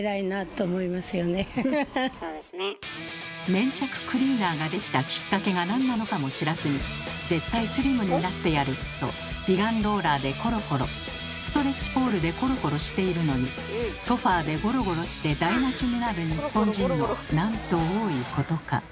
粘着クリーナーができたキッカケがなんなのかも知らずに「絶対スリムになってやる！」と美顔ローラーでコロコロストレッチポールでコロコロしているのにソファーでゴロゴロして台なしになる日本人のなんと多いことか。